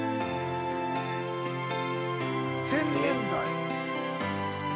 ２０００年代。